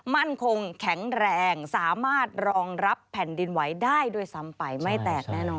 มั่นคงแข็งแรงสามารถรองรับแผ่นดินไหวได้ด้วยซ้ำไปไม่แตกแน่นอน